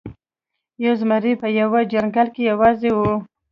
یو زمری په یوه ځنګل کې یوازې و.